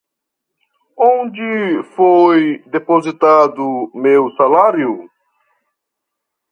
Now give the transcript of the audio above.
Onde foi depositado meu salário?